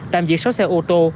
tạm giữ sáu xe ô tô